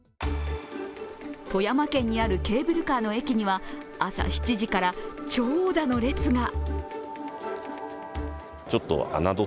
富山県にあるケーブルカーの駅には朝７時から長蛇の列が。